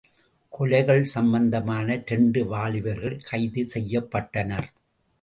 கொலைகள் சம்பந்தமான இரண்டு வாலிபர்கள் கைது செய்யப்பட்டனர்.